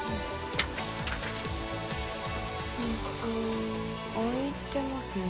うーんと空いてますね